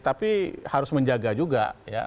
tapi harus menjaga juga